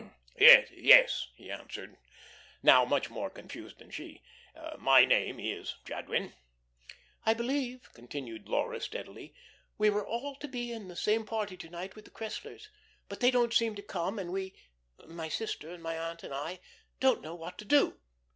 "Yes, yes," he answered, now much more confused than she, "my name is Jadwin." "I believe," continued Laura steadily, "we were all to be in the same party to night with the Cresslers. But they don't seem to come, and we my sister and my aunt and I don't know what to do."